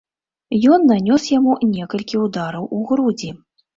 Ён нанёс яму некалькі ўдараў у грудзі.